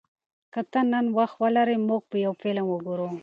که ته نن وخت لرې، موږ به یو فلم وګورو.